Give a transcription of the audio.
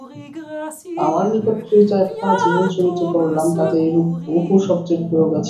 আমার নিকট প্রেরিত একখানা জীবনচরিত পড়লাম, তাতে এইরূপ বহু শব্দের প্রয়োগ আছে।